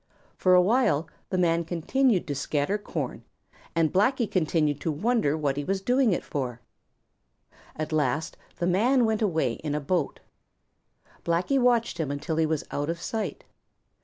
For a while the man continued to scatter corn and Blacky continued to wonder what he was doing it for. At last the man went away in a boat. Blacky watched him until he was out of sight.